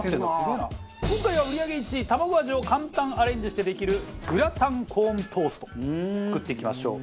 今回は売り上げ１位たまご味を簡単アレンジしてできるグラタンコーントースト作っていきましょう。